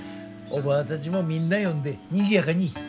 おばぁたちもみんな呼んでにぎやかに。